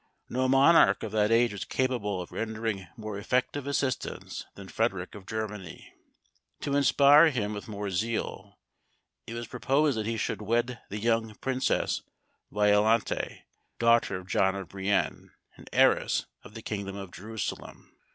No monarch of that age was capable of rendering more effective assistance than Frederic of Germany. To inspire him with more zeal, it was proposed that he should wed the young Princess Violante, daughter of John of Brienne, and heiress of the kingdom of Jerusalem.